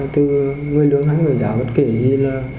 từ người lương hay người giáo